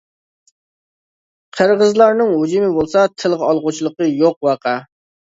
قىرغىزلارنىڭ ھۇجۇمى بولسا تىلغا ئالغۇچىلىقى يوق ۋەقە.